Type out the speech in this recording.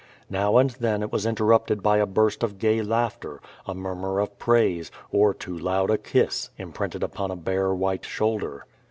Now and then it was interrupted by a burst of gay laughter, a murmur of praise, or too loud a kiss, imprinted upon a bare, white shoulder.